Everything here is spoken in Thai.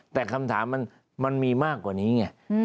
แต่คำถามมันมีมากกว่านี้ไง